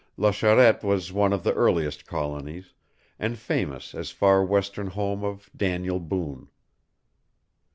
La Charette was one of the earliest colonies, and famous as the far western home of Daniel Boone.